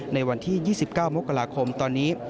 ในวันที่๒๙มกราคมตอนนี้